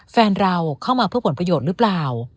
แฟนเราเข้ามาเพื่อผลประโยชน์หรือเปล่า